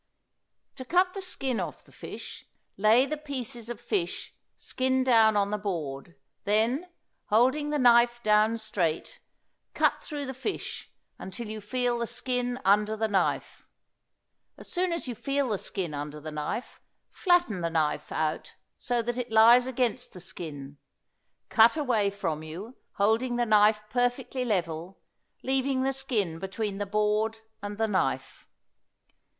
To cut the skin off the fish, lay the pieces of fish skin down on the board; then, holding the knife down straight, cut through the fish until you feel the skin under the knife; as soon as you feel the skin under the knife, flatten the knife out so that it lies against the skin; cut away from you, holding the knife perfectly level, leaving the skin between the board and the knife.